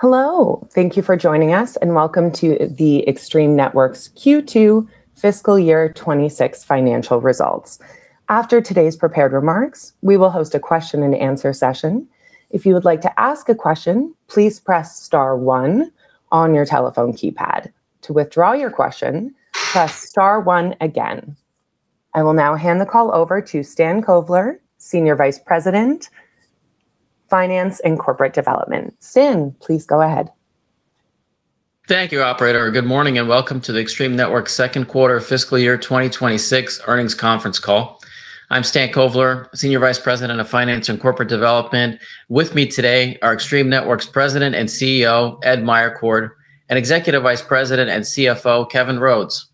Hello. Thank you for joining us, and welcome to the Extreme Networks Q2 fiscal year 2026 financial results. After today's prepared remarks, we will host a question and answer session. If you would like to ask a question, please press star one on your telephone keypad. To withdraw your question, press star one again. I will now hand the call over to Stan Kovler, Senior Vice President, Finance and Corporate Development. Stan, please go ahead. Thank you, operator. Good morning, and welcome to the Extreme Networks second quarter fiscal year 2026 earnings conference call. I'm Stan Kovler, Senior Vice President of Finance and Corporate Development. With me today are Extreme Networks President and CEO, Ed Meyercord, and Executive Vice President and CFO, Kevin Rhodes.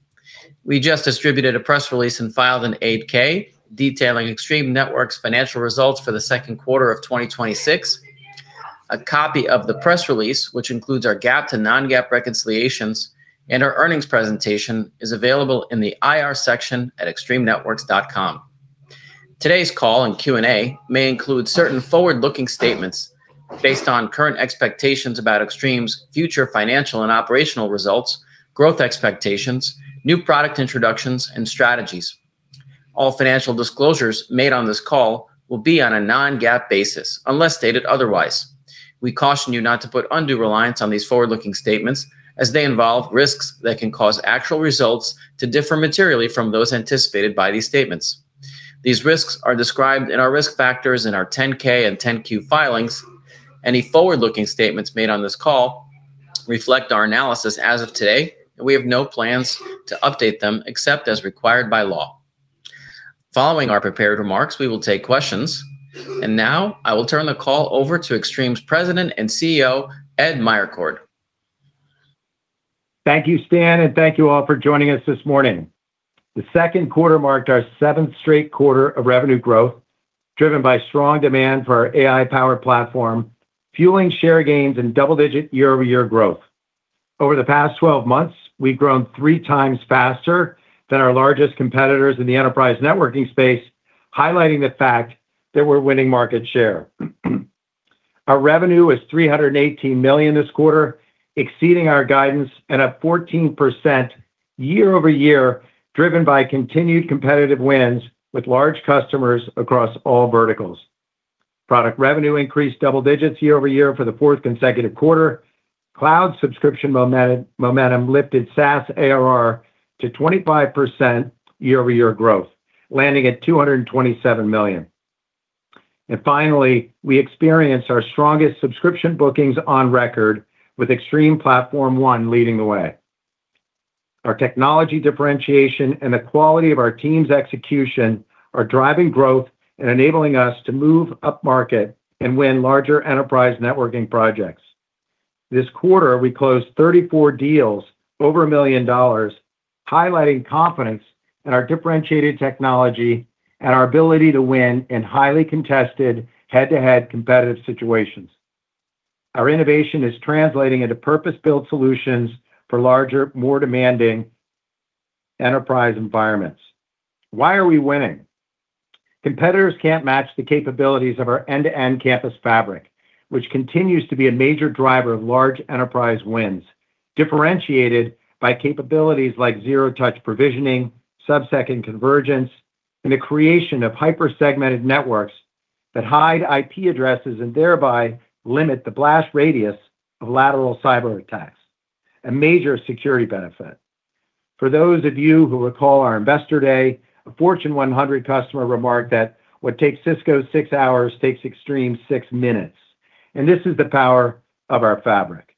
We just distributed a press release and filed an 8-K, detailing Extreme Networks' financial results for the second quarter of 2026. A copy of the press release, which includes our GAAP to non-GAAP reconciliations and our earnings presentation, is available in the IR section at extremenetworks.com. Today's call and Q&A may include certain forward-looking statements based on current expectations about Extreme's future financial and operational results, growth expectations, new product introductions, and strategies. All financial disclosures made on this call will be on a non-GAAP basis, unless stated otherwise. We caution you not to put undue reliance on these forward-looking statements as they involve risks that can cause actual results to differ materially from those anticipated by these statements. These risks are described in our risk factors in our 10-K and 10-Q filings. Any forward-looking statements made on this call reflect our analysis as of today, and we have no plans to update them except as required by law. Following our prepared remarks, we will take questions. Now I will turn the call over to Extreme's President and CEO, Ed Meyercord. Thank you, Stan, and thank you all for joining us this morning. The second quarter marked our seventh straight quarter of revenue growth, driven by strong demand for our AI-powered platform, fueling share gains and double-digit year-over-year growth. Over the past 12 months, we've grown 3x faster than our largest competitors in the enterprise networking space, highlighting the fact that we're winning market share. Our revenue is $318 million this quarter, exceeding our guidance and up 14% year-over-year, driven by continued competitive wins with large customers across all verticals. Product revenue increased double digits year-over-year for the fourth consecutive quarter. Cloud subscription momentum lifted SaaS ARR to 25% year-over-year growth, landing at $227 million. And finally, we experienced our strongest subscription bookings on record Extreme Platform ONE leading the way. Our technology differentiation and the quality of our team's execution are driving growth and enabling us to move upmarket and win larger enterprise networking projects. This quarter, we closed 34 deals over $1 million, highlighting confidence in our differentiated technology and our ability to win in highly contested, head-to-head competitive situations. Our innovation is translating into purpose-built solutions for larger, more demanding enterprise environments. Why are we winning? Competitors can't match the capabilities of our end-to-end Campus Fabric, which continues to be a major driver of large enterprise wins, differentiated by capabilities like zero-touch provisioning, subsecond convergence, and the creation of hyper-segmented networks that hide IP addresses and thereby limit the blast radius of lateral cyber attacks, a major security benefit. For those of you who recall our Investor Day, a Fortune 100 customer remarked that what takes Cisco 6 hours, takes Extreme 6 minutes, and this is the power of our Fabric.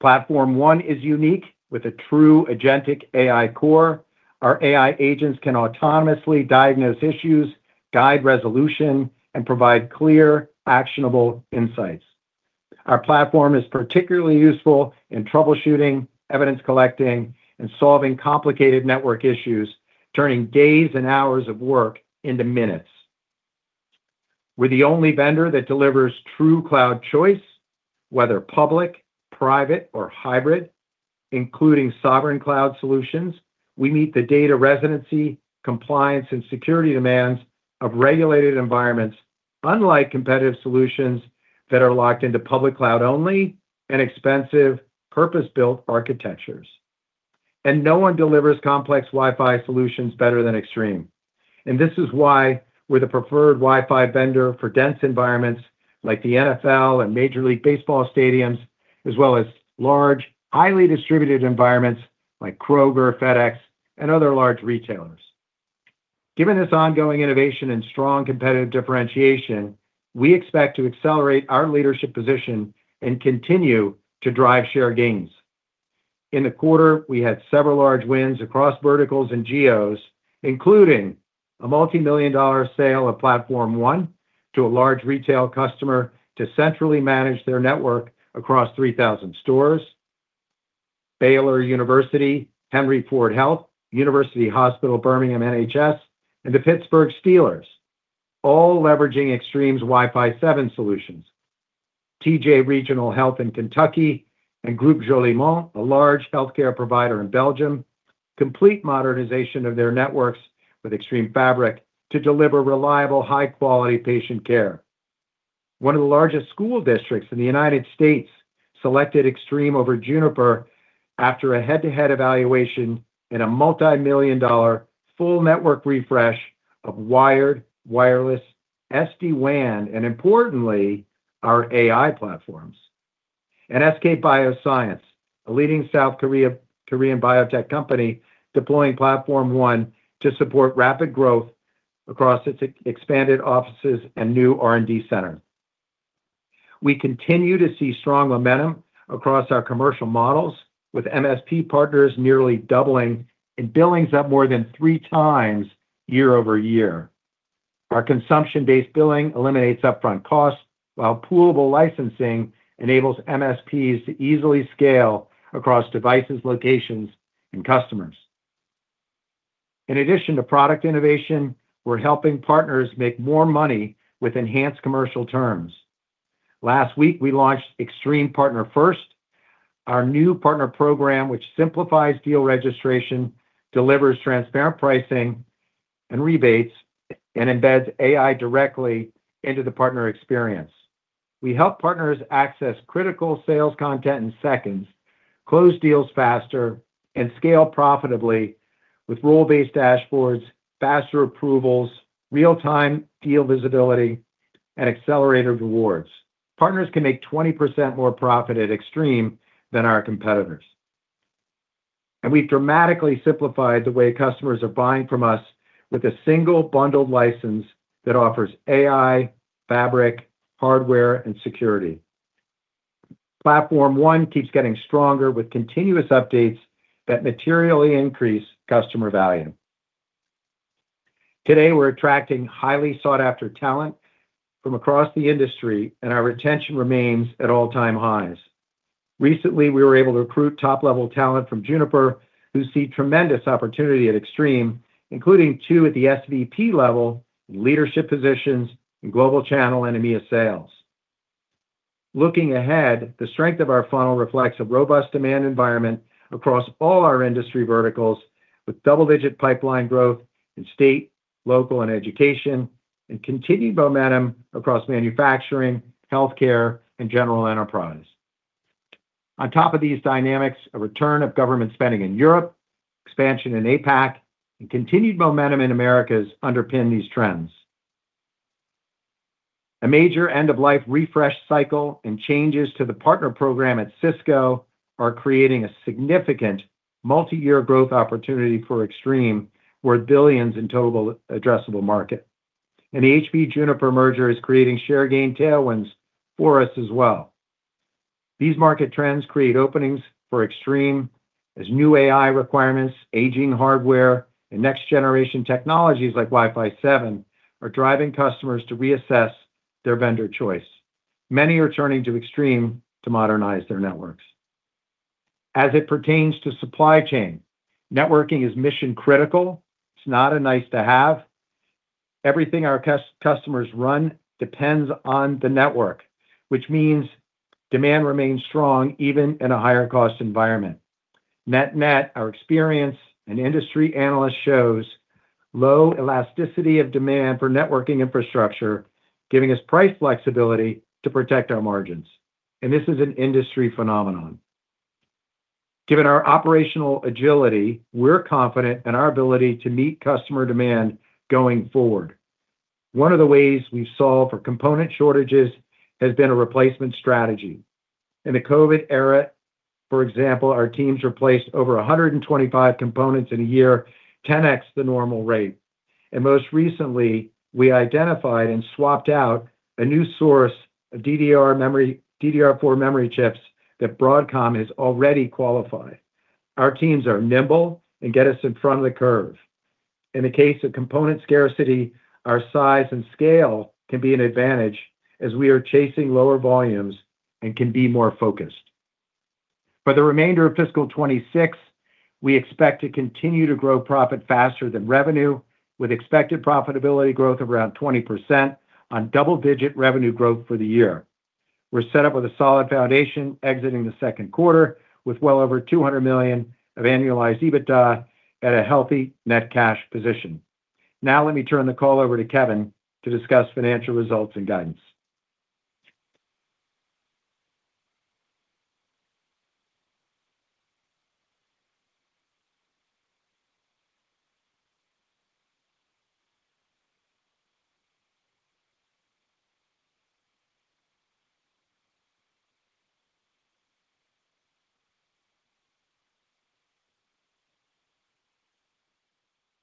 Platform ONE is unique, with a true agentic AI core. Our AI agents can autonomously diagnose issues, guide resolution, and provide clear, actionable insights. Our platform is particularly useful in troubleshooting, evidence collecting, and solving complicated network issues, turning days and hours of work into minutes. We're the only vendor that delivers true cloud choice, whether public, private, or hybrid, including sovereign cloud solutions. We meet the data residency, compliance, and security demands of regulated environments, unlike competitive solutions that are locked into public cloud only and expensive, purpose-built architectures. No one delivers complex Wi-Fi solutions better than Extreme. This is why we're the preferred Wi-Fi vendor for dense environments like the NFL and Major League Baseball stadiums, as well as large, highly distributed environments like Kroger, FedEx, and other large retailers. Given this ongoing innovation and strong competitive differentiation, we expect to accelerate our leadership position and continue to drive share gains. In the quarter, we had several large wins across verticals and geos, including a multimillion-dollar sale of Platform ONE to a large retail customer to centrally manage their network across 3,000 stores. Baylor University, Henry Ford Health, University Hospitals Birmingham NHS Foundation Trust, and the Pittsburgh Steelers, all leveraging Extreme's Wi-Fi 7 solutions. T.J. Regional Health in Kentucky and Groupe Jolimont, a large healthcare provider in Belgium, complete modernization of their networks with Extreme Fabric to deliver reliable, high-quality patient care. One of the largest school districts in the United States selected Extreme over Juniper after a head-to-head evaluation in a multimillion-dollar full network refresh of wired, wireless, SD-WAN, and importantly, our AI platforms. SK Bioscience, a leading South Korea, Korean biotech company, deploying Platform ONE to support rapid growth across its expanded offices and new R&D center. We continue to see strong momentum across our commercial models, with MSP partners nearly doubling, and billings up more than three times year-over-year. Our consumption-based billing eliminates upfront costs, while poolable licensing enables MSPs to easily scale across devices, locations, and customers. In addition to product innovation, we're helping partners make more money with enhanced commercial terms. Last week, we launched Extreme Partner First, our new partner program, which simplifies deal registration, delivers transparent pricing and rebates, and embeds AI directly into the partner experience. We help partners access critical sales content in seconds, close deals faster, and scale profitably with role-based dashboards, faster approvals, real-time deal visibility, and accelerated rewards. Partners can make 20% more profit at Extreme than our competitors. We've dramatically simplified the way customers are buying from us with a single bundled license that offers AI, Fabric, hardware, and security. Platform ONE keeps getting stronger with continuous updates that materially increase customer value. Today, we're attracting highly sought-after talent from across the industry, and our retention remains at all-time highs. Recently, we were able to recruit top-level talent from Juniper, who see tremendous opportunity at Extreme, including two at the SVP level, in leadership positions, in global channel and EMEA sales. Looking ahead, the strength of our funnel reflects a robust demand environment across all our industry verticals, with double-digit pipeline growth in state, local, and education, and continued momentum across manufacturing, healthcare, and general enterprise. On top of these dynamics, a return of government spending in Europe, expansion in APAC, and continued momentum in Americas underpin these trends. A major end-of-life refresh cycle and changes to the partner program at Cisco are creating a significant multi-year growth opportunity for Extreme, worth billions in total addressable market. And the HP-Juniper merger is creating share gain tailwinds for us as well. These market trends create openings for Extreme, as new AI requirements, aging hardware, and next-generation technologies like Wi-Fi 7 are driving customers to reassess their vendor choice. Many are turning to Extreme to modernize their networks. As it pertains to supply chain, networking is mission-critical. It's not a nice-to-have. Everything our customers run depends on the network, which means demand remains strong, even in a higher-cost environment. Net-net, our experience and industry analyst shows low elasticity of demand for networking infrastructure, giving us price flexibility to protect our margins. And this is an industry phenomenon. Given our operational agility, we're confident in our ability to meet customer demand going forward. One of the ways we've solved for component shortages has been a replacement strategy. In the COVID era, for example, our teams replaced over 125 components in a year, 10x the normal rate. And most recently, we identified and swapped out a new source of DDR memory, DDR4 memory chips that Broadcom has already qualified. Our teams are nimble and get us in front of the curve. In the case of component scarcity, our size and scale can be an advantage as we are chasing lower volumes and can be more focused. For the remainder of fiscal 2026, we expect to continue to grow profit faster than revenue, with expected profitability growth of around 20% on double-digit revenue growth for the year. We're set up with a solid foundation exiting the second quarter, with well over $200 million of annualized EBITDA at a healthy net cash position. Now, let me turn the call over to Kevin to discuss financial results and guidance.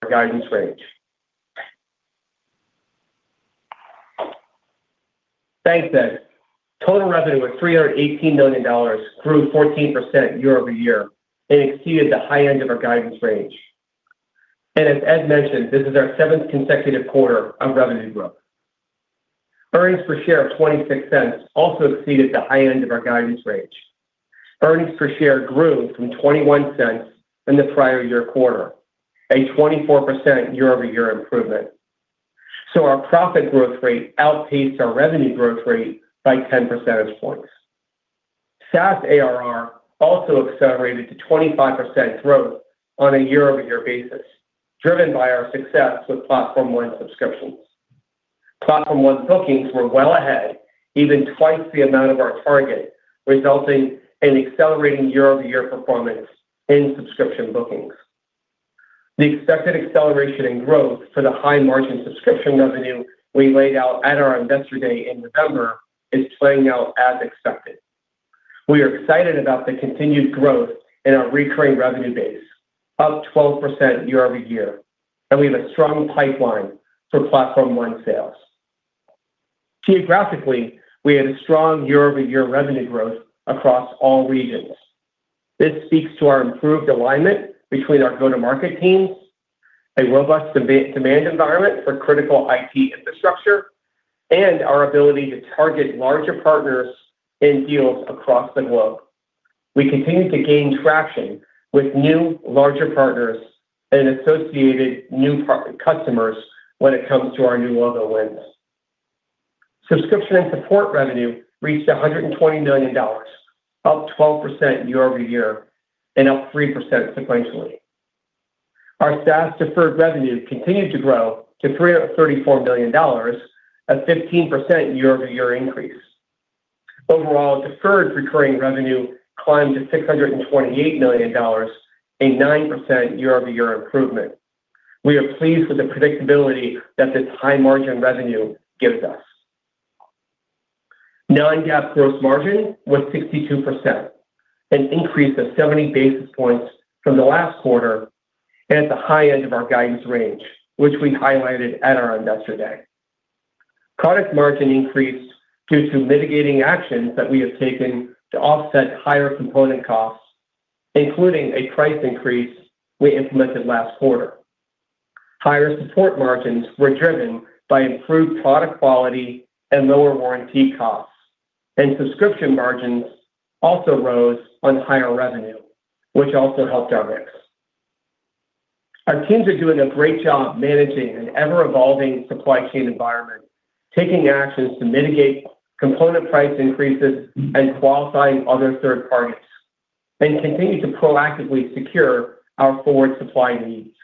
Guidance range. Thanks, Ed. Total revenue was $318 million, grew 14% year-over-year, and exceeded the high end of our guidance range. As Ed mentioned, this is our 7th consecutive quarter of revenue growth. Earnings per share of $0.26 also exceeded the high end of our guidance range. Earnings per share grew from $0.21 in the prior year quarter, a 24% year-over-year improvement. Our profit growth rate outpaced our revenue growth rate by 10 percentage points. SaaS ARR also accelerated to 25% growth on a year-over-year basis, driven by our success with Platform ONE subscriptions. Platform ONE bookings were well ahead, even twice the amount of our target, resulting in accelerating year-over-year performance in subscription bookings. The expected acceleration in growth for the high margin subscription revenue we laid out at our Investor Day in November is playing out as expected. We are excited about the continued growth in our recurring revenue base, up 12% year-over-year, and we have a strong pipeline for Platform ONE sales. Geographically, we had a strong year-over-year revenue growth across all regions. This speaks to our improved alignment between our go-to-market teams, a robust demand environment for critical IT infrastructure, and our ability to target larger partners in deals across the globe. We continue to gain traction with new, larger partners and associated new customers when it comes to our new logo wins. Subscription and support revenue reached $120 million, up 12% year-over-year and up 3% sequentially. Our SaaS deferred revenue continued to grow to $334 million, a 15% year-over-year increase. Overall, deferred recurring revenue climbed to $628 million, a 9% year-over-year improvement. We are pleased with the predictability that this high margin revenue gives us. Non-GAAP gross margin was 62%, an increase of 70 basis points from the last quarter, and at the high end of our guidance range, which we highlighted at our Investor Day. Product margin increased due to mitigating actions that we have taken to offset higher component costs, including a price increase we implemented last quarter. Higher support margins were driven by improved product quality and lower warranty costs, and subscription margins also rose on higher revenue, which also helped our mix. Our teams are doing a great job managing an ever-evolving supply chain environment, taking actions to mitigate component price increases and qualifying other third parties, and continue to proactively secure our forward supply needs.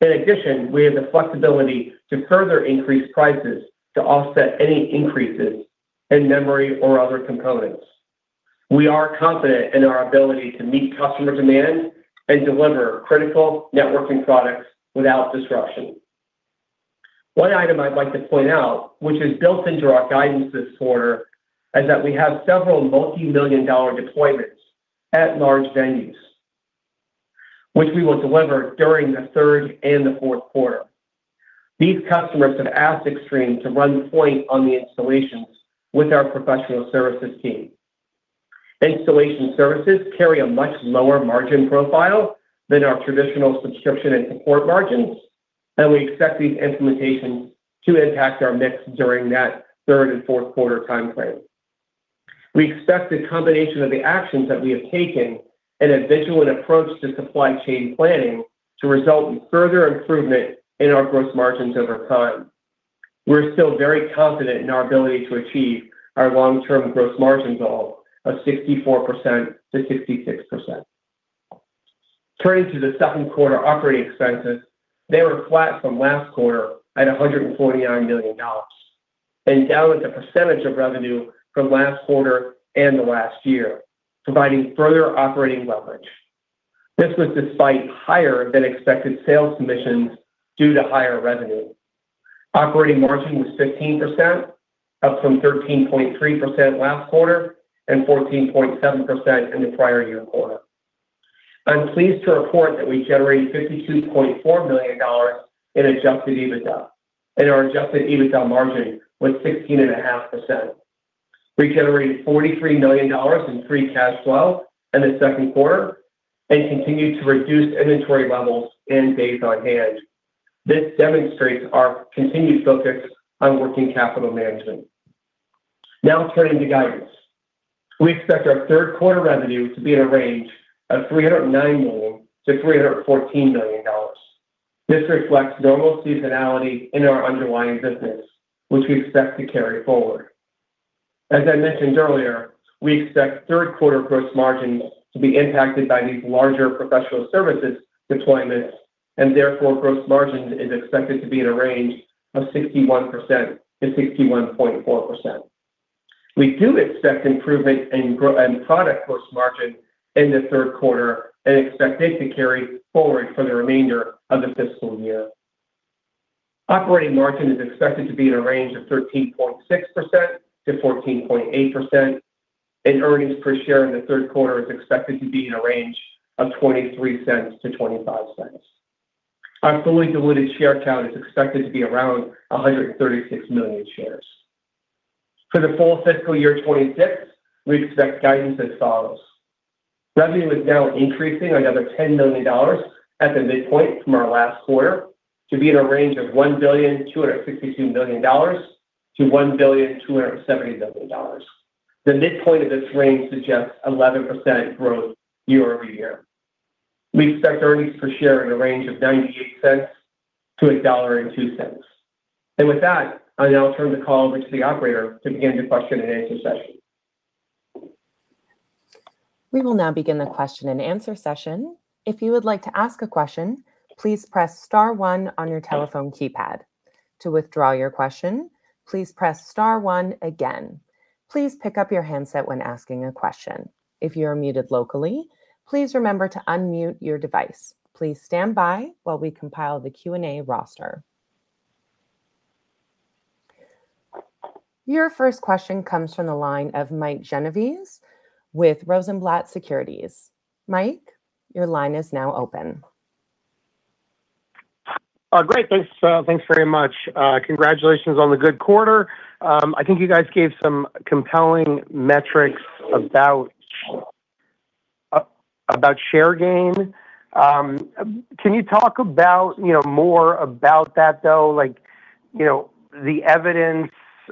In addition, we have the flexibility to further increase prices to offset any increases in memory or other components. We are confident in our ability to meet customer demand and deliver critical networking products without disruption. One item I'd like to point out, which is built into our guidance this quarter, is that we have several multimillion-dollar deployments at large venues, which we will deliver during the third and the fourth quarter. These customers have asked Extreme to run point on the installations with our professional services team. Installation services carry a much lower margin profile than our traditional subscription and support margins, and we expect these implementations to impact our mix during that third and fourth quarter time frame. We expect the combination of the actions that we have taken and a vigilant approach to supply chain planning to result in further improvement in our gross margins over time. We're still very confident in our ability to achieve our long-term gross margin goal of 64%-66%. Turning to the second quarter operating expenses, they were flat from last quarter at $149 million, and down as a percentage of revenue from last quarter and the last year, providing further operating leverage. This was despite higher than expected sales commissions due to higher revenue. Operating margin was 16%, up from 13.3% last quarter and 14.7% in the prior year quarter. I'm pleased to report that we generated $52.4 million in adjusted EBITDA, and our adjusted EBITDA margin was 16.5%. We generated $43 million in free cash flow in the second quarter and continued to reduce inventory levels and days on hand. This demonstrates our continued focus on working capital management. Now, turning to guidance. We expect our third quarter revenue to be in a range of $309 million-$314 million. This reflects normal seasonality in our underlying business, which we expect to carry forward. As I mentioned earlier, we expect third quarter gross margins to be impacted by these larger professional services deployments, and therefore, gross margin is expected to be in a range of 61%-61.4%. We do expect improvement in product gross margin in the third quarter and expect it to carry forward for the remainder of the fiscal year. Operating margin is expected to be in a range of 13.6%-14.8%, and earnings per share in the third quarter is expected to be in a range of $0.23-$0.25. Our fully diluted share count is expected to be around 136 million shares. For the full fiscal year 2026, we expect guidance as follows: Revenue is now increasing another $10 million at the midpoint from our last quarter to be in a range of $1,262 million-$1,270 million. The midpoint of this range suggests 11% growth year-over-year. We expect earnings per share in a range of $0.98-$1.02. And with that, I'll now turn the call over to the operator to begin the question and answer session. We will now begin the question and answer session. If you would like to ask a question, please press star one on your telephone keypad. To withdraw your question, please press star one again. Please pick up your handset when asking a question. If you are muted locally, please remember to unmute your device. Please stand by while we compile the Q&A roster. Your first question comes from the line of Mike Genovese with Rosenblatt Securities. Mike, your line is now open. Great, thanks, thanks very much. Congratulations on the good quarter. I think you guys gave some compelling metrics about share gain. Can you talk about, you know, more about that, though? Like, you know, the evidence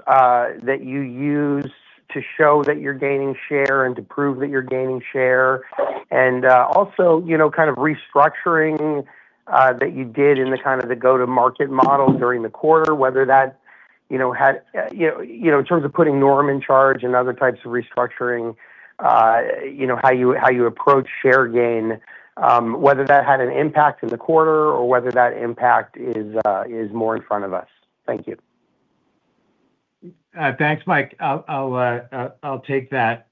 that you use to show that you're gaining share and to prove that you're gaining share. And also, you know, kind of restructuring that you did in the go-to-market model during the quarter, whether that had an impact in terms of putting Norm in charge and other types of restructuring, you know, how you approach share gain, whether that had an impact in the quarter or whether that impact is more in front of us. Thank you. Thanks, Mike. I'll take that.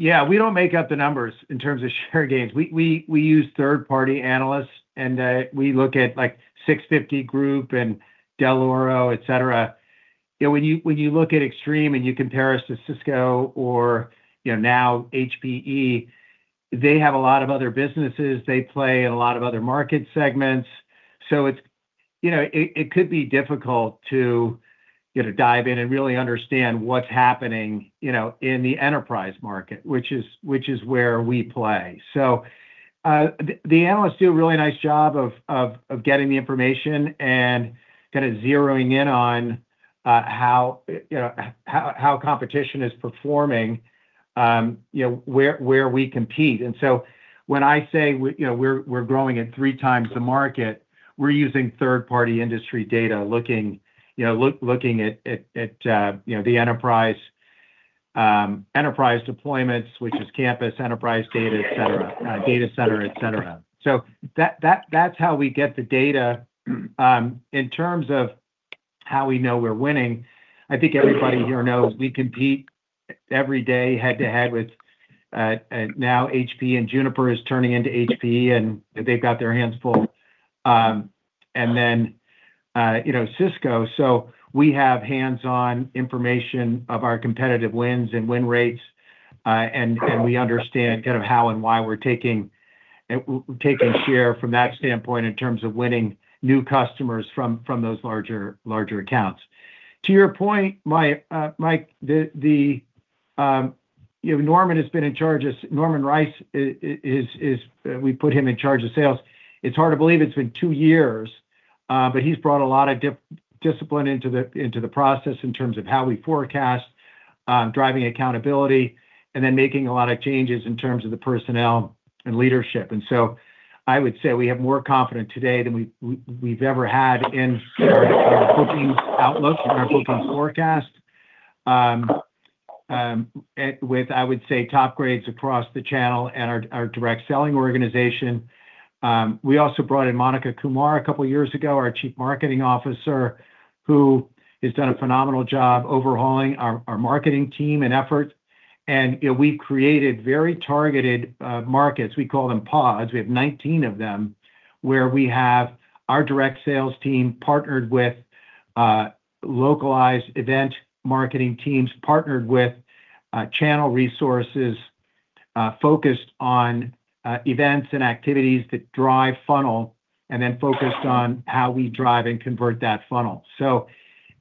Yeah, we don't make up the numbers in terms of share gains. We use third-party analysts, and we look at, like, 650 Group and Dell'Oro, et cetera. You know, when you look at Extreme and you compare us to Cisco or, you know, now HPE, they have a lot of other businesses. They play in a lot of other market segments. So it's, you know, it could be difficult to, you know, dive in and really understand what's happening, you know, in the enterprise market, which is where we play. So, the analysts do a really nice job of getting the information and kind of zeroing in on how, you know, how competition is performing, you know, where we compete. And so when I say we, you know, we're growing at three times the market, we're using third-party industry data, looking, you know, looking at the enterprise enterprise deployments, which is campus enterprise data, et cetera, data center, et cetera. So that's how we get the data. In terms of how we know we're winning, I think everybody here knows we compete every day head-to-head with now HP and Juniper is turning into HPE, and they've got their hands full. And then, you know, Cisco, so we have hands-on information of our competitive wins and win rates, and we understand kind of how and why we're taking, we're taking share from that standpoint in terms of winning new customers from those larger accounts. To your point, Mike, you know, Norman has been in charge of... Norman Rice is; we put him in charge of sales. It's hard to believe it's been two years, but he's brought a lot of discipline into the process in terms of how we forecast, driving accountability, and then making a lot of changes in terms of the personnel and leadership. And so I would say we have more confidence today than we've ever had in our booking outlook and our booking forecast. Along with, I would say, top grades across the channel and our direct selling organization. We also brought in Monica Kumar a couple of years ago, our Chief Marketing Officer, who has done a phenomenal job overhauling our marketing team and effort. You know, we've created very targeted markets. We call them pods. We have 19 of them, where we have our direct sales team partnered with localized event marketing teams, partnered with channel resources, focused on events and activities that drive funnel, and then focused on how we drive and convert that funnel. So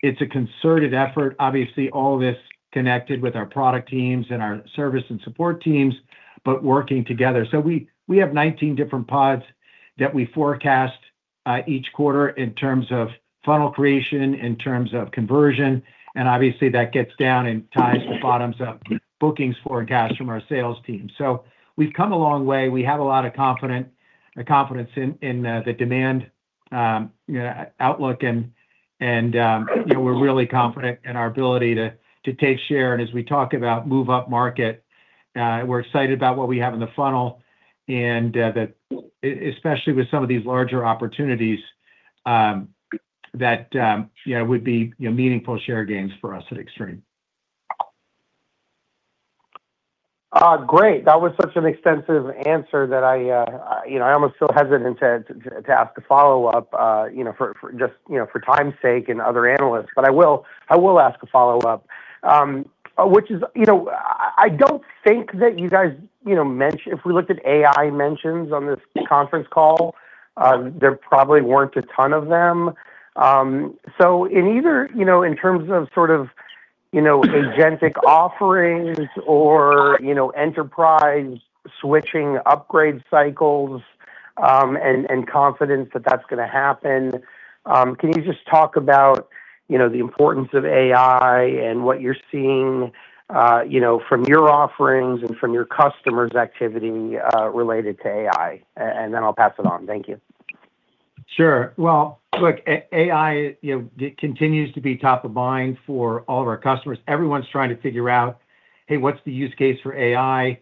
it's a concerted effort. Obviously, all this connected with our product teams and our service and support teams, but working together. So we have 19 different pods that we forecast each quarter in terms of funnel creation, in terms of conversion, and obviously, that gets down and ties the bottoms up bookings forecast from our sales team. So we've come a long way. We have a lot of confidence in the demand, you know, outlook and you know, we're really confident in our ability to take share. As we talk about move upmarket, we're excited about what we have in the funnel and that especially with some of these larger opportunities, you know, would be you know, meaningful share gains for us at Extreme. Great. That was such an extensive answer that I, you know, I almost feel hesitant to, to ask a follow-up, you know, for, for just, you know, for time's sake and other analysts, but I will, I will ask a follow-up. Which is, you know, I, I don't think that you guys, you know, mention if we looked at AI mentions on this conference call, there probably weren't a ton of them. So in either, you know, in terms of sort of, you know, agentic offerings or, you know, enterprise switching upgrade cycles and confidence that that's gonna happen. Can you just talk about, you know, the importance of AI and what you're seeing, you know, from your offerings and from your customers' activity related to AI? And then I'll pass it on. Thank you. Sure. Well, look, AI, you know, it continues to be top of mind for all of our customers. Everyone's trying to figure out, "Hey, what's the use case for AI?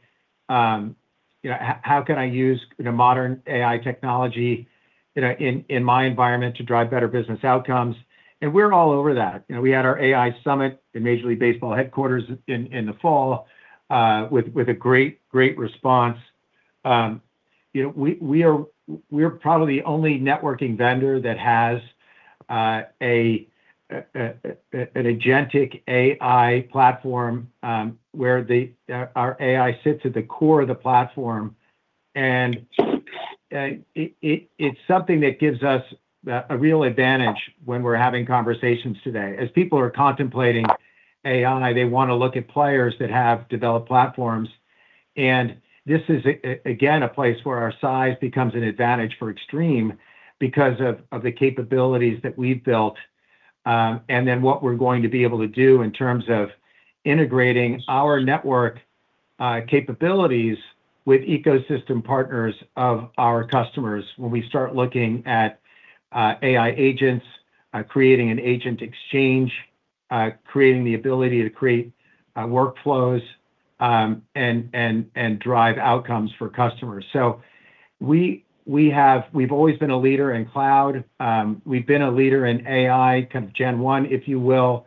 You know, how can I use the modern AI technology, you know, in my environment to drive better business outcomes?" And we're all over that. You know, we had our AI summit in Major League Baseball headquarters in the fall with a great, great response. You know, we're probably the only networking vendor that has an agentic AI platform, where our AI sits at the core of the platform. And it's something that gives us a real advantage when we're having conversations today. As people are contemplating AI, they wanna look at players that have developed platforms, and this is again a place where our size becomes an advantage for Extreme because of the capabilities that we've built, and then what we're going to be able to do in terms of integrating our network capabilities with ecosystem partners of our customers, when we start looking at AI agents, creating an agent exchange, creating the ability to create workflows, and drive outcomes for customers. So we've always been a leader in cloud. We've been a leader in AI, kind of gen one, if you will,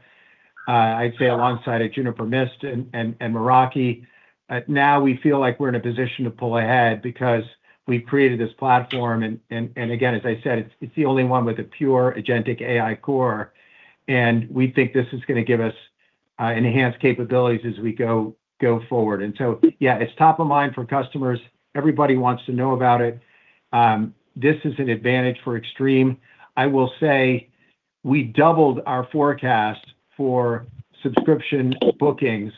I'd say alongside Juniper Mist and Meraki. But now we feel like we're in a position to pull ahead because we've created this platform, and again, as I said, it's the only one with a pure agentic AI core, and we think this is gonna give us enhanced capabilities as we go forward. And so, yeah, it's top of mind for customers. Everybody wants to know about it. This is an advantage for Extreme. I will say we doubled our forecast for subscription bookings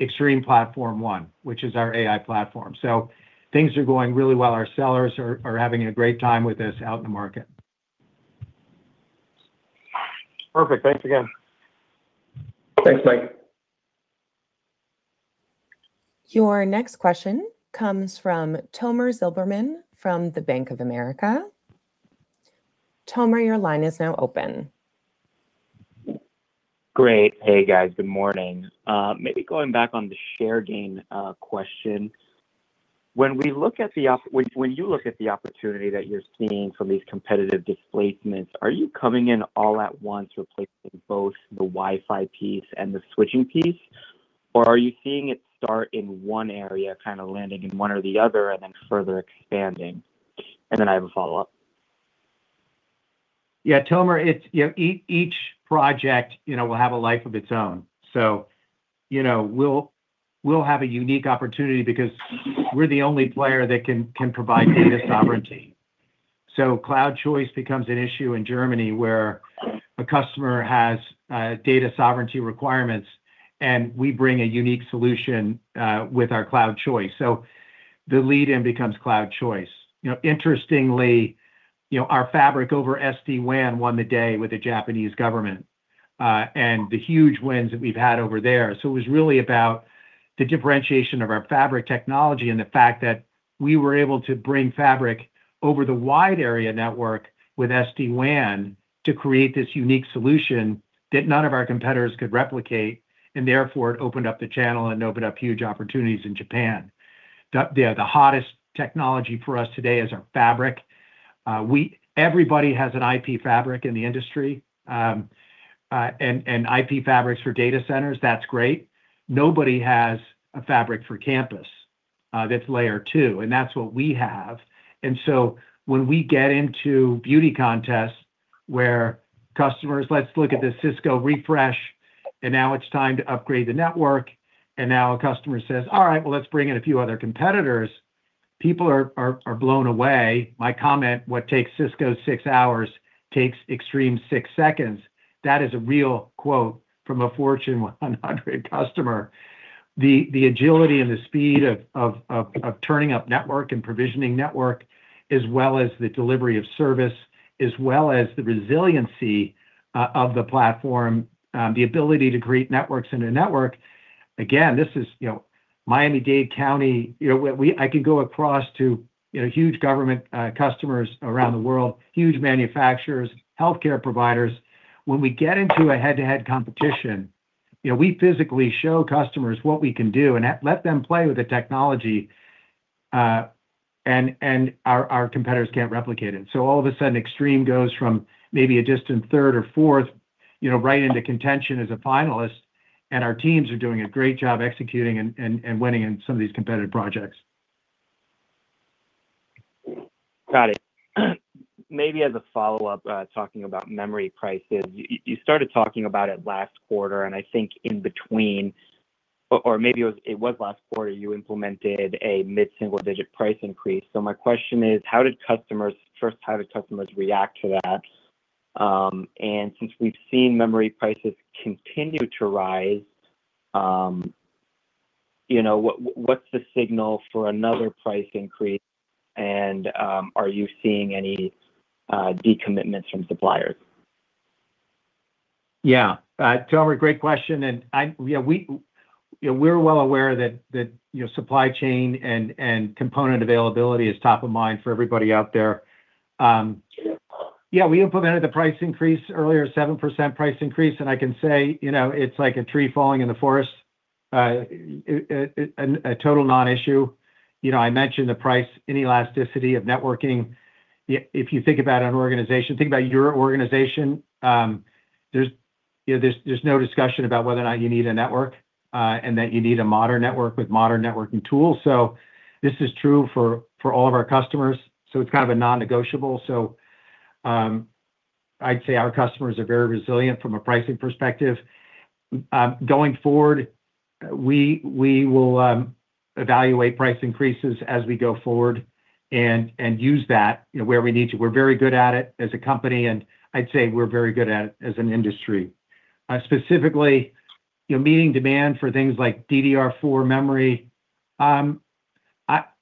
extreme Platform ONE, which is our AI platform. So things are going really well. Our sellers are having a great time with this out in the market. Perfect. Thanks again. Thanks, Mike. Your next question comes from Tomer Zilberman, from the Bank of America. Tomer, your line is now open. Great. Hey, guys. Good morning. Maybe going back on the share gain question. When we look at the opportunity that you're seeing from these competitive displacements, are you coming in all at once, replacing both the Wi-Fi piece and the switching piece? Or are you seeing it start in one area, kind of landing in one or the other, and then further expanding? And then I have a follow-up. Yeah, Tomer, it's, you know, each project, you know, will have a life of its own. So, you know, we'll, we'll have a unique opportunity because we're the only player that can, can provide data sovereignty. So cloud choice becomes an issue in Germany, where a customer has data sovereignty requirements, and we bring a unique solution with our cloud choice. So the lead-in becomes cloud choice. You know, interestingly, you know, our Fabric over SD-WAN won the day with the Japanese government, and the huge wins that we've had over there. So it was really about the differentiation of our Fabric technology and the fact that we were able to bring Fabric over the wide area network with SD-WAN to create this unique solution that none of our competitors could replicate, and therefore it opened up the channel and opened up huge opportunities in Japan. The hottest technology for us today is our Fabric. We, everybody has an IP Fabric in the industry, and IP Fabrics for data centers, that's great. Nobody has a Fabric for campus. That's Layer 2, and that's what we have. And so when we get into beauty contests where customers... Let's look at this Cisco refresh, and now it's time to upgrade the network, and now a customer says, "All right, well, let's bring in a few other competitors." People are blown away. My comment: "What takes Cisco six hours, takes Extreme six seconds." That is a real quote from a Fortune 100 customer. The agility and the speed of turning up network and provisioning network, as well as the delivery of service, as well as the resiliency of the platform, the ability to create networks in a network. Again, this is, you know, Miami-Dade County, you know, we—I could go across to, you know, huge government customers around the world, huge manufacturers, healthcare providers. When we get into a head-to-head competition, you know, we physically show customers what we can do and let them play with the technology, and our competitors can't replicate it. So all of a sudden, Extreme goes from maybe a distant third or fourth, you know, right into contention as a finalist, and our teams are doing a great job executing and winning in some of these competitive projects. Got it. Maybe as a follow-up, talking about memory prices. You started talking about it last quarter, and I think in between, or maybe it was last quarter, you implemented a mid-single-digit price increase. So my question is: how did customers... First, how did customers react to that? And since we've seen memory prices continue to rise, you know, what, what's the signal for another price increase? And, are you seeing any decommitments from suppliers? Yeah. Tommy, great question, and yeah, we, you know, we're well aware that, you know, supply chain and component availability is top of mind for everybody out there. Yeah, we implemented the price increase earlier, 7% price increase, and I can say, you know, it's like a tree falling in the forest. A total non-issue. You know, I mentioned the price inelasticity of networking. If you think about an organization, think about your organization, there's, you know, there's no discussion about whether or not you need a network, and that you need a modern network with modern networking tools. So this is true for all of our customers, so it's kind of a non-negotiable. So, I'd say our customers are very resilient from a pricing perspective. Going forward, we will evaluate price increases as we go forward and use that, you know, where we need to. We're very good at it as a company, and I'd say we're very good at it as an industry. Specifically, you know, meeting demand for things like DDR4 memory.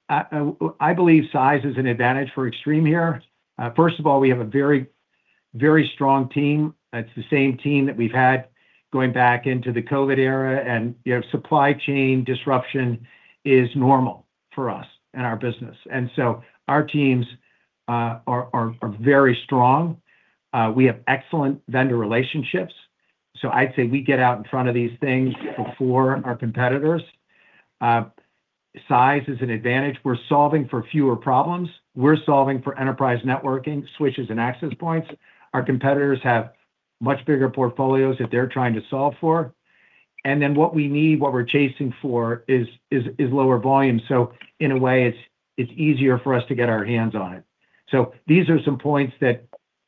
I believe size is an advantage for Extreme here. First of all, we have a very, very strong team. It's the same team that we've had going back into the COVID era, and, you know, supply chain disruption is normal for us and our business. So our teams are very strong. We have excellent vendor relationships, so I'd say we get out in front of these things before our competitors. Size is an advantage. We're solving for fewer problems. We're solving for enterprise networking, switches, and access points. Our competitors have much bigger portfolios that they're trying to solve for. And then what we need, what we're chasing for is lower volume. So in a way, it's easier for us to get our hands on it. So these are some points that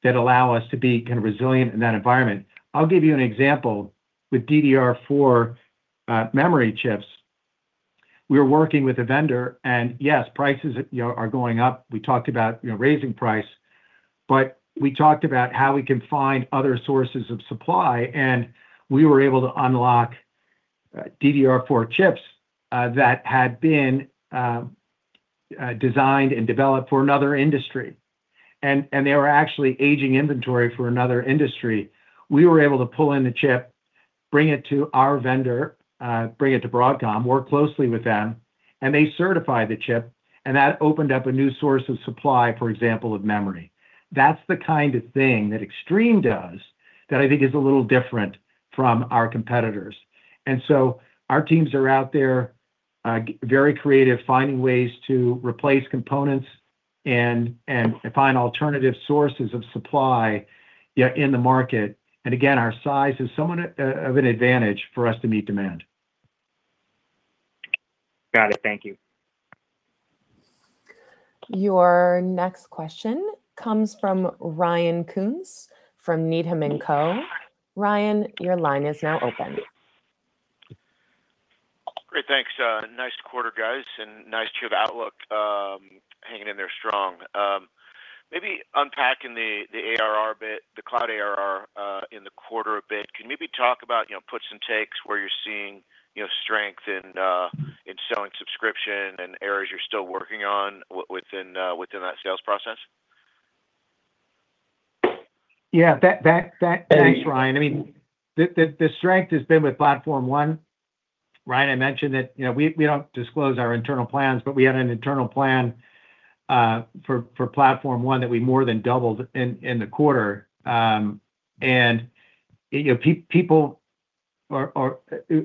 allow us to be kind of resilient in that environment. I'll give you an example with DDR4 memory chips. We are working with a vendor, and yes, prices, you know, are going up. We talked about, you know, raising price, but we talked about how we can find other sources of supply, and we were able to unlock DDR4 chips that had been designed and developed for another industry. And they were actually aging inventory for another industry. We were able to pull in the chip, bring it to our vendor, bring it to Broadcom, work closely with them, and they certified the chip, and that opened up a new source of supply, for example, of memory. That's the kind of thing that Extreme does, that I think is a little different from our competitors. So our teams are out there, very creative, finding ways to replace components and find alternative sources of supply yet in the market. Again, our size is somewhat of an advantage for us to meet demand. Got it. Thank you. Your next question comes from Ryan Koontz from Needham & Co. Ryan, your line is now open. Great. Thanks. Nice quarter, guys, and nice to have outlook, hanging in there strong. Maybe unpacking the ARR bit, the cloud ARR, in the quarter a bit. Can you maybe talk about, you know, puts and takes, where you're seeing, you know, strength in selling subscription and areas you're still working on within that sales process? Yeah, that - thanks, Ryan. I mean, the strength has been with Platform ONE. Ryan, I mentioned that, you know, we don't disclose our internal plans, but we had an internal plan for Platform ONE that we more than doubled in the quarter. And, you know, people or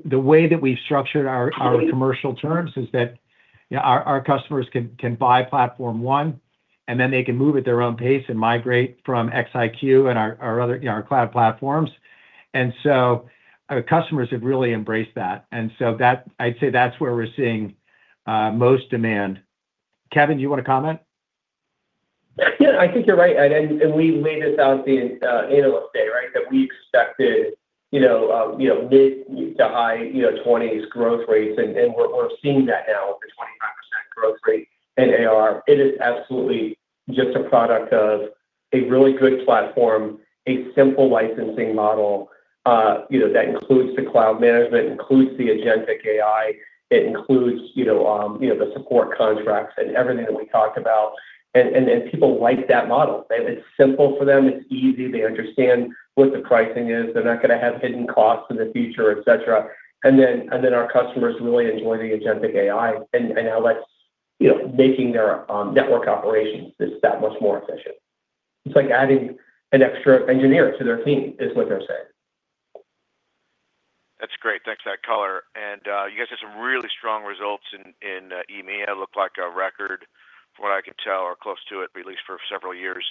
the way that we've structured our commercial terms is that, you know, our customers can buy Platform ONE, and then they can move at their own pace and migrate from XIQ and our other, you know, our cloud platforms. And so our customers have really embraced that, and so I'd say that's where we're seeing most demand. Kevin, do you want to comment? Yeah, I think you're right, and we laid this out in Analyst Day, right? That we expected, you know, mid- to high-20s growth rates, and we're seeing that now with the 25% growth rate in AR. It is absolutely just a product of a really good platform, a simple licensing model, you know, that includes the cloud management, includes the Agentic AI. It includes, you know, the support contracts and everything that we talked about. And people like that model. It's simple for them, it's easy, they understand what the pricing is. They're not gonna have hidden costs in the future, et cetera. And then our customers really enjoy the Agentic AI, and how that's, you know, making their network operations just that much more efficient. It's like adding an extra engineer to their team, is what they're saying. That's great. Thanks for that color. You guys have some really strong results in EMEA. It looked like a record from what I can tell, or close to it, at least for several years.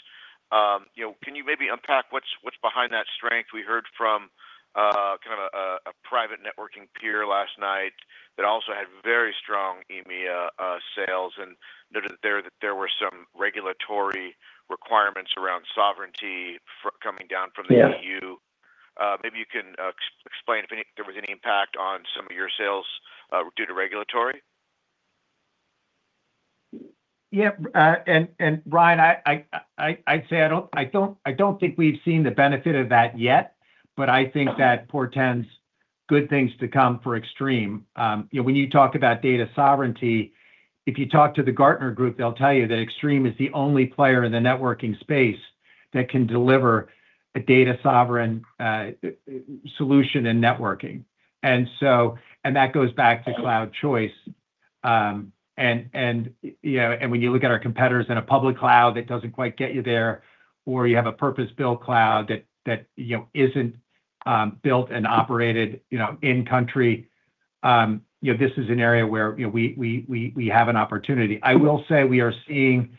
You know, can you maybe unpack what's behind that strength? We heard from kind of a private networking peer last night that also had very strong EMEA sales, and noted that there were some regulatory requirements around sovereignty forthcoming down from the EU. Yeah. Maybe you can explain if there was any impact on some of your sales due to regulatory? Yeah, and Ryan, I'd say I don't think we've seen the benefit of that yet, but I think that portends good things to come for Extreme. You know, when you talk about data sovereignty, if you talk to the Gartner Group, they'll tell you that Extreme is the only player in the networking space that can deliver a data sovereign solution and networking. And so and that goes back to cloud choice. You know, when you look at our competitors in a public cloud, that doesn't quite get you there, or you have a purpose-built cloud that you know isn't built and operated, you know, in country. You know, this is an area where you know we have an opportunity. I will say we are seeing,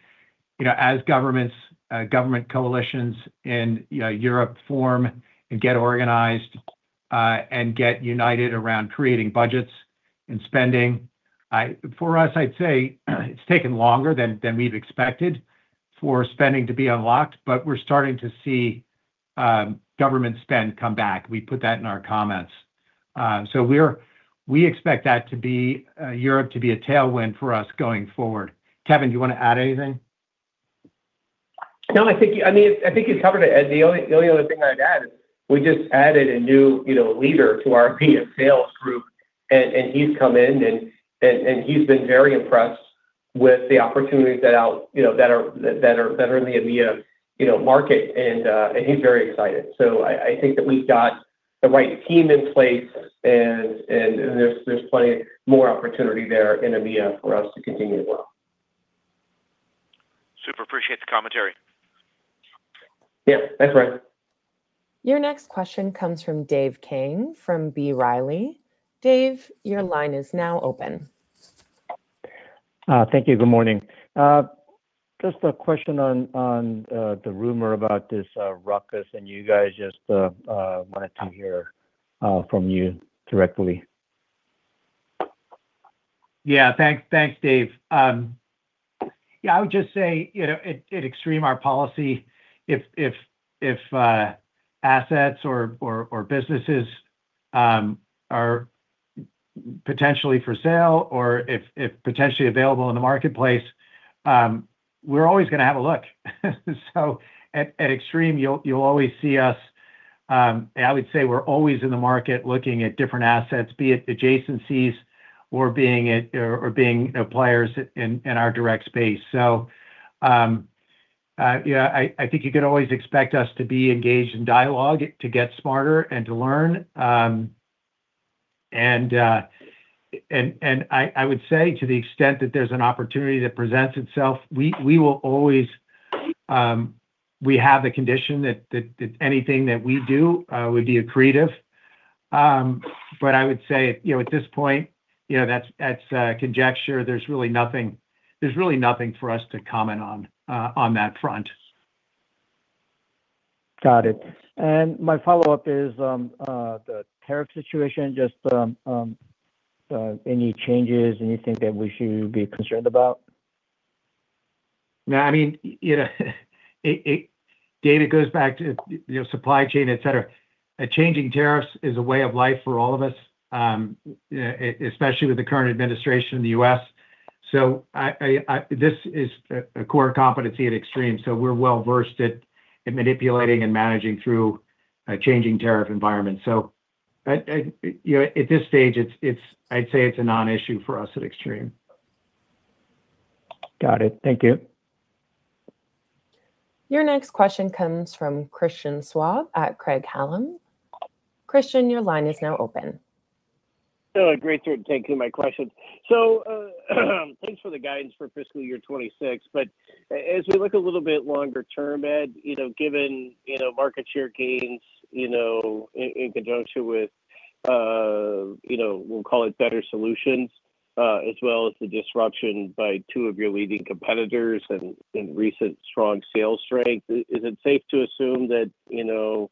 you know, as governments, government coalitions in, you know, Europe form and get organized, and get united around creating budgets and spending, for us, I'd say it's taken longer than we've expected for spending to be unlocked, but we're starting to see, government spend come back. We put that in our comments. So we expect Europe to be a tailwind for us going forward. Kevin, do you want to add anything? No, I think, I mean, I think you covered it, Ed. The only other thing I'd add is we just added a new, you know, leader to our EMEA sales group, and he's come in, and he's been very impressed with the opportunities, you know, that are in the EMEA, you know, market. And he's very excited. So I think that we've got the right team in place, and there's plenty more opportunity there in EMEA for us to continue to grow. Super appreciate the commentary. Yeah. Thanks, Ryan. Your next question comes from Dave Kang, from B. Riley. Dave, your line is now open. Thank you. Good morning. Just a question on the rumor about this Ruckus, and you guys just wanted to hear from you directly. Yeah. Thanks. Thanks, Dave. Yeah, I would just say, you know, at Extreme, our policy, if assets or businesses are potentially for sale or if potentially available in the marketplace, we're always going to have a look. So at Extreme, you'll always see us. I would say we're always in the market looking at different assets, be it adjacencies or being it, or being, you know, players in our direct space. So, yeah, I think you can always expect us to be engaged in dialogue, to get smarter and to learn. And, I would say, to the extent that there's an opportunity that presents itself, we will always, we have the condition that anything that we do would be accretive. But I would say, you know, at this point, you know, that's conjecture. There's really nothing for us to comment on, on that front. Got it. And my follow-up is, the tariff situation, just, any changes, anything that we should be concerned about? No, I mean, you know, Dave, it goes back to, you know, supply chain, et cetera. Changing tariffs is a way of life for all of us, especially with the current administration in the U.S. So this is a core competency at Extreme, so we're well-versed at manipulating and managing through a changing tariff environment. So you know, at this stage, it's - I'd say it's a non-issue for us at Extreme. Got it. Thank you. Your next question comes from Christian Schwab at Craig-Hallum. Christian, your line is now open. Hello, great, sir. Thank you for my question. So, thanks for the guidance for fiscal year 2026. But as we look a little bit longer term, Ed, you know, given, you know, market share gains, you know, in, in conjunction with, you know, we'll call it better solutions, as well as the disruption by two of your leading competitors and, and recent strong sales strength, is it safe to assume that, you know,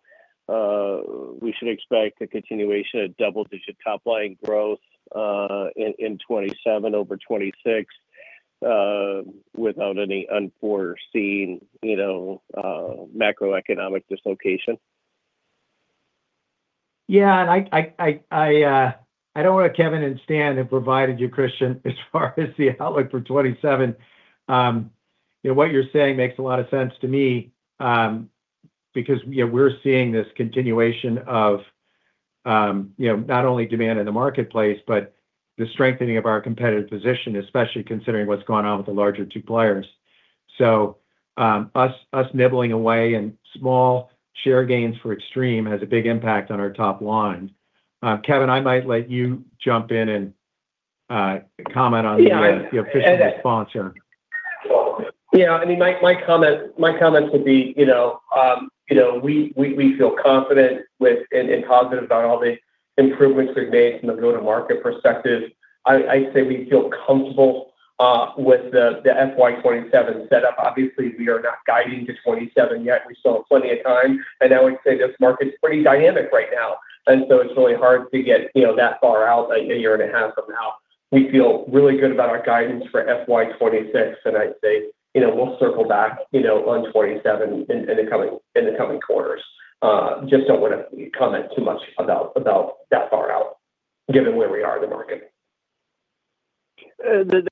we should expect a continuation of double-digit top-line growth, in, in 2027 over 2026, without any unforeseen, you know, macroeconomic dislocation? Yeah, and I know what Kevin and Stan have provided you, Christian, as far as the outlook for 27. You know, what you're saying makes a lot of sense to me, because, you know, we're seeing this continuation of, you know, not only demand in the marketplace, but the strengthening of our competitive position, especially considering what's going on with the larger two players. So, us nibbling away and small share gains for Extreme has a big impact on our top line. Kevin, I might let you jump in and comment on the- Yeah the official response here. Yeah, I mean, my comment would be, you know, we feel confident with and positive about all the improvements we've made from the go-to-market perspective. I'd say we feel comfortable with the FY 2027 setup. Obviously, we are not guiding to 2027 yet. We still have plenty of time, and I would say this market is pretty dynamic right now, and so it's really hard to get, you know, that far out, like a year and a half from now. We feel really good about our guidance for FY 2026, and I'd say, you know, we'll circle back, you know, on 2027 in the coming quarters. Just don't want to comment too much about that far out, given where we are in the market.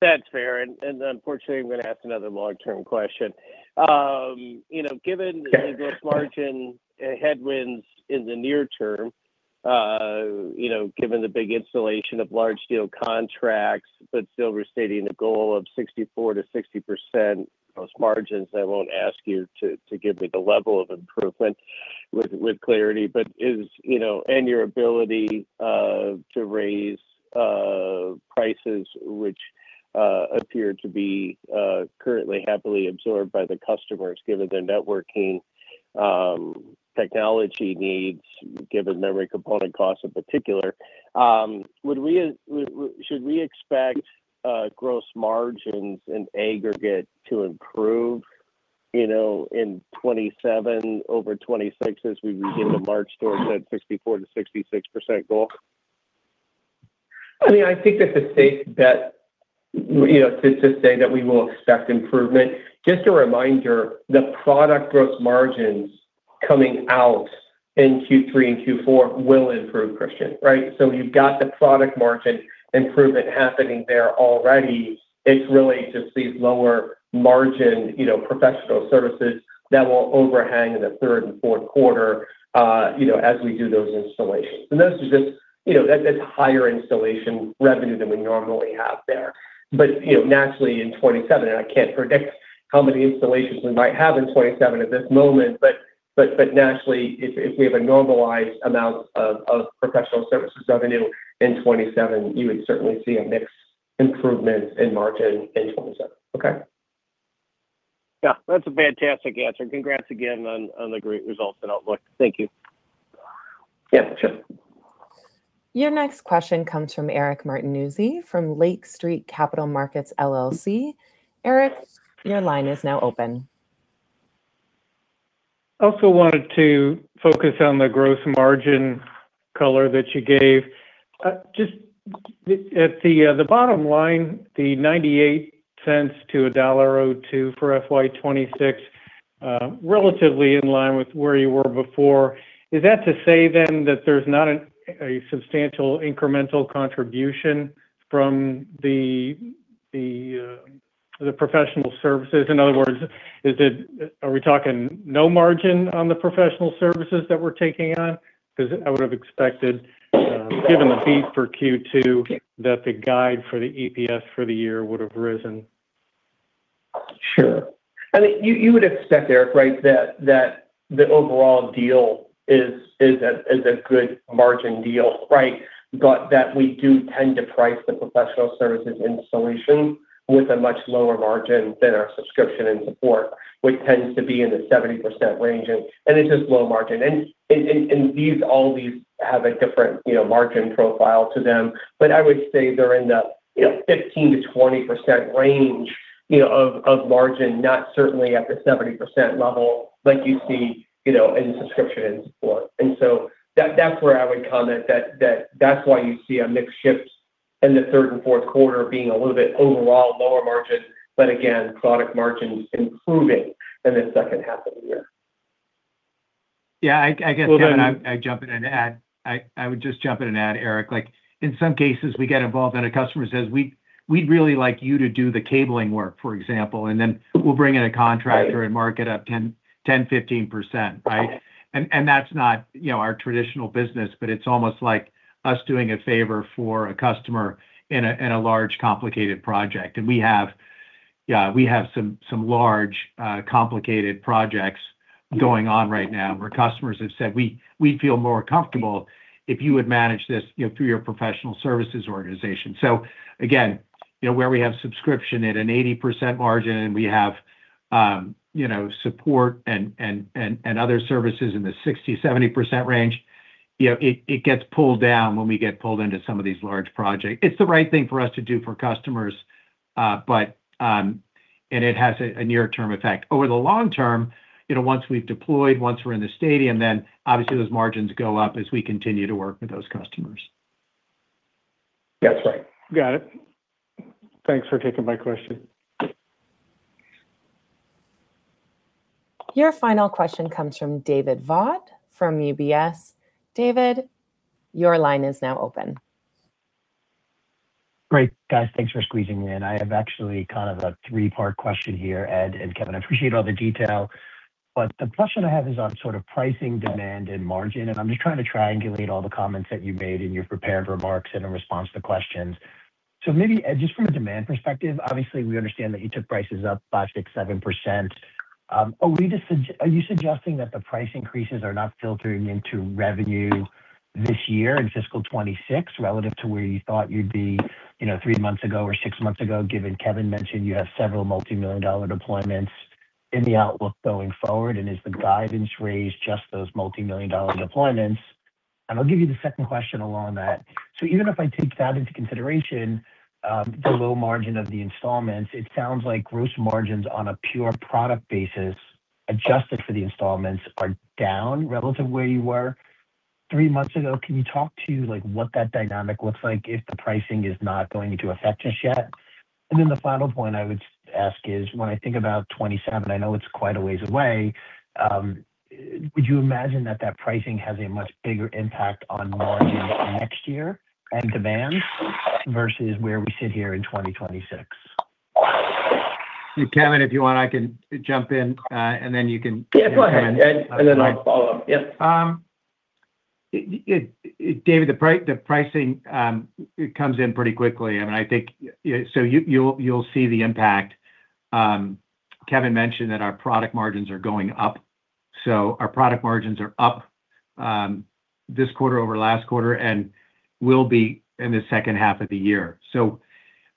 That's fair, and unfortunately, I'm gonna ask another long-term question. You know, given- Okay The gross margin headwinds in the near term, you know, given the big installation of large deal contracts, but still restating the goal of 64%-66% those margins, I won't ask you to give me the level of improvement with clarity. But, you know, and your ability to raise prices, which appear to be currently happily absorbed by the customers, given their networking technology needs, given memory component costs in particular. Would we... should we expect gross margins in aggregate to improve, you know, in 2027 over 2026 as we begin to march towards that 64%-66% goal? I mean, I think that's a safe bet, you know, to say that we will expect improvement. Just a reminder, the product gross margins coming out in Q3 and Q4 will improve, Christian, right? So you've got the product margin improvement happening there already. It's really just these lower margin, you know, professional services that will overhang in the third and fourth quarter, you know, as we do those installations. And those are just, you know, that's higher installation revenue than we normally have there. But, you know, naturally, in 2027, and I can't predict how many installations we might have in 2027 at this moment, but naturally, if we have a normalized amount of professional services revenue in 2027, you would certainly see a mixed improvement in margin in 2027. Okay? Yeah, that's a fantastic answer. Congrats again on, on the great results and outlook. Thank you. Yeah, sure. Your next question comes from Eric Martinuzzi, from Lake Street Capital Markets, LLC. Eric, your line is now open. I also wanted to focus on the gross margin color that you gave. Just at the bottom line, the $0.98-$1.02 for FY 2026, relatively in line with where you were before. Is that to say then that there's not a substantial incremental contribution from the professional services? In other words, is it? Are we talking no margin on the professional services that we're taking on? Because I would have expected, given the beat for Q2, that the guide for the EPS for the year would have risen. Sure. I mean, you would expect, Eric, right, that the overall deal is a good margin deal, right? But that we do tend to price the professional services installation with a much lower margin than our subscription and support, which tends to be in the 70% range, and it's just low margin. And these all have a different, you know, margin profile to them. But I would say they're in the, you know, 15%-20% range, you know, of margin, not certainly at the 70% level like you see, you know, in subscription and support. That's where I would comment that that's why you see a mix shift in the third and fourth quarter being a little bit overall lower margin, but again, product margins improving in the second half of the year. Yeah, I guess, Kevin, I jump in and add. I would just jump in and add, Eric, like, in some cases, we get involved, and a customer says, "We'd really like you to do the cabling work," for example, and then we'll bring in a contractor and mark it up 10%-15%, right? And that's not, you know, our traditional business, but it's almost like us doing a favor for a customer in a large, complicated project. And we have, yeah, we have some large complicated projects going on right now, where customers have said, "We'd feel more comfortable if you would manage this, you know, through your professional services organization." So again, you know, where we have subscription at an 80% margin, and we have, you know, support and other services in the 60%-70% range, you know, it gets pulled down when we get pulled into some of these large projects. It's the right thing for us to do for customers, but it has a near-term effect. Over the long term, you know, once we've deployed, once we're in the stadium, then obviously those margins go up as we continue to work with those customers. That's right. Got it. Thanks for taking my question. Your final question comes from David Vogt, from UBS. David, your line is now open. Great, guys! Thanks for squeezing me in. I have actually kind of a 3-part question here, Ed and Kevin. I appreciate all the detail, but the question I have is on sort of pricing, demand, and margin, and I'm just trying to triangulate all the comments that you made in your prepared remarks and in response to questions. So maybe, Ed, just from a demand perspective, obviously, we understand that you took prices up 5%, 6%, 7%. Are you suggesting that the price increases are not filtering into revenue this year in fiscal 2026, relative to where you thought you'd be, you know, 3 months ago or 6 months ago, given Kevin mentioned you have several multi-million-dollar deployments in the outlook going forward? And has the guidance raised just those multi-million-dollar deployments? And I'll give you the second question along that. So even if I take that into consideration, the low margin of the installments, it sounds like gross margins on a pure product basis, adjusted for the installments, are down relative to where you were three months ago. Can you talk to, like, what that dynamic looks like if the pricing is not going to affect us yet? And then the final point I would ask is, when I think about 2027, I know it's quite a ways away, would you imagine that that pricing has a much bigger impact on margins next year and demand versus where we sit here in 2026? Kevin, if you want, I can jump in, and then you can- Yeah, go ahead, Ed, and then I'll follow up. Yep. David, the pricing, it comes in pretty quickly. I mean, I think... So you'll see the impact. Kevin mentioned that our product margins are going up, so our product margins are up, this quarter over last quarter, and will be in the second half of the year. So,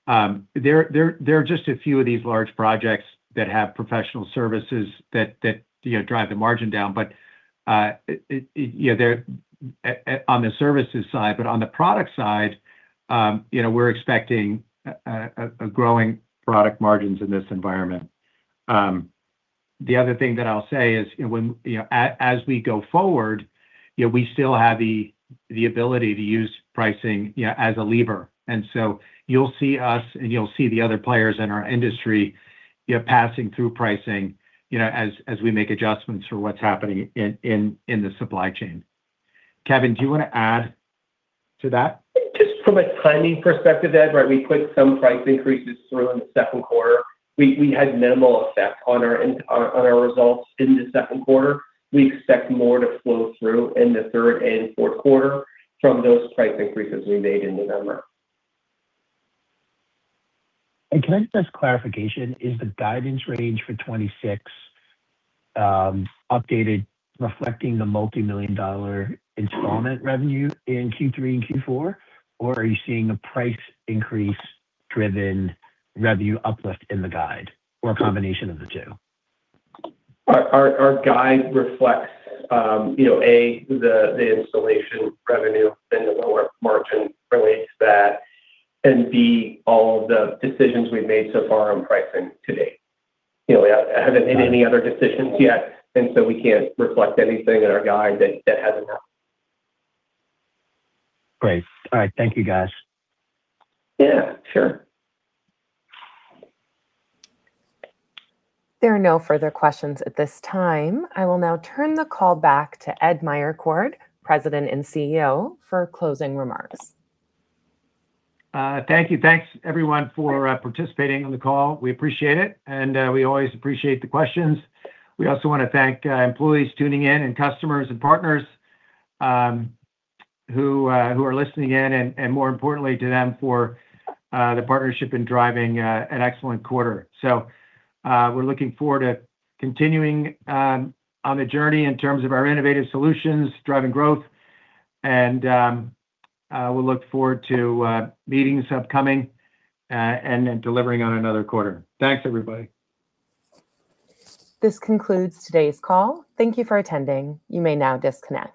there are just a few of these large projects that have professional services that, you know, drive the margin down. But, you know, on the services side, but on the product side, you know, we're expecting a growing product margins in this environment. The other thing that I'll say is, as we go forward, you know, we still have the ability to use pricing, yeah, as a lever. You'll see us, and you'll see the other players in our industry, you know, passing through pricing, you know, as we make adjustments for what's happening in the supply chain. Kevin, do you wanna add to that? Just from a timing perspective, Ed, right, we put some price increases through in the second quarter. We had minimal effect on our results in the second quarter. We expect more to flow through in the third and fourth quarter from those price increases we made in November. Can I just clarification, is the guidance range for 2026 updated, reflecting the multimillion-dollar installment revenue in Q3 and Q4? Or are you seeing a price increase-driven revenue uplift in the guide, or a combination of the two? Our guide reflects, you know, A, the installation revenue and the lower margin relates to that, and B, all of the decisions we've made so far on pricing to date. You know, we haven't made any other decisions yet, and so we can't reflect anything in our guide that hasn't happened. Great. All right, thank you, guys. Yeah, sure. There are no further questions at this time. I will now turn the call back to Ed Meyercord, President and CEO, for closing remarks. Thank you. Thanks, everyone, for participating on the call. We appreciate it, and we always appreciate the questions. We also wanna thank employees tuning in, and customers and partners who are listening in, and more importantly to them for the partnership in driving an excellent quarter. We're looking forward to continuing on the journey in terms of our innovative solutions, driving growth, and we look forward to meetings upcoming, and then delivering on another quarter. Thanks, everybody. This concludes today's call. Thank you for attending. You may now disconnect.